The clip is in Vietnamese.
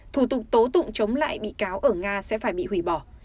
thủ tục tố tụng chống lại bị cáo ở nga sẽ phải bị hủy bỏ